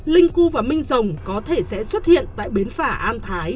linh cu và minh rồng có thể sẽ xuất hiện tại bến phả an thái